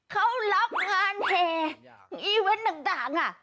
เค้าลองงานแห่เวทต่าง